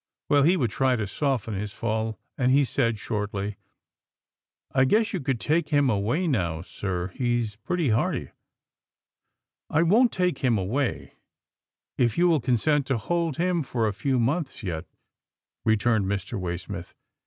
Well, he would try to soften his fall, and he said shortly, " I guess you could take him away now, sir, he's pretty hearty/' " I won't take him away, if you will consent to hold him for a few months yet," returned Mr. Waysmith.